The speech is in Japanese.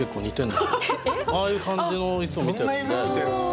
ああいう感じのいつも見てるので。